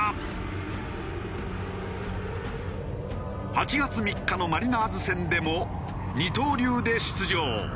８月３日のマリナーズ戦でも二刀流で出場。